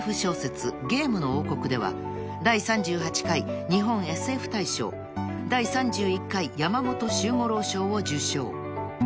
『ゲームの王国』では第３８回日本ＳＦ大賞第３１回山本周五郎賞を受賞］